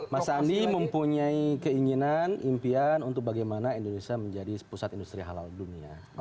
mas sandi mempunyai keinginan impian untuk bagaimana indonesia menjadi pusat industri halal dunia